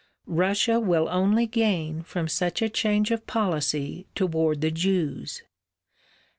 Russia will only gain from such a change of policy toward the Jews.